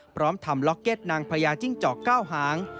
พร้อมทำล็อกเก็ตนางพญาจิ้งจอก๙หาง